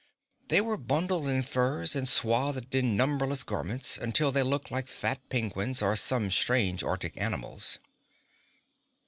They were bundled in furs and swathed in numberless garments until they looked like fat penguins or some strange arctic animals.